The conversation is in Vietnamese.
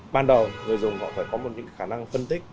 ban đầu người dùng họ phải có một khả năng phân tích